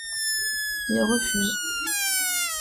Il refuse.